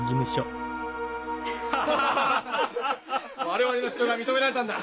我々の主張が認められたんだ！